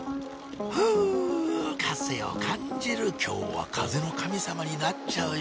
フゥ風を感じる今日は風の神様になっちゃうよ